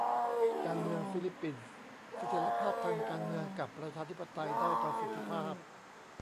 การเมืองฟิลิปปินส์ : เสถียรภาพทางการเมืองกับประชาธิปไตยด้อยประสิทธิภาพ